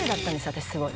私すごい。